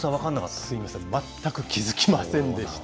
すみません、全く気付きませんでした。